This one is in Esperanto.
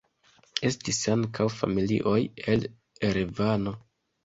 Estis ankaŭ familioj el Erevano.